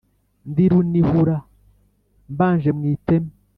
Ndi Runihura mbanje mu iteme